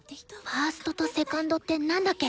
ファーストとセカンドってなんだっけ？